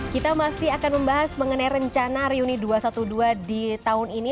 kita masih akan membahas mengenai rencana reuni dua ratus dua belas di tahun ini